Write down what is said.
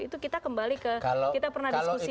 itu kita kembali ke kita pernah diskusi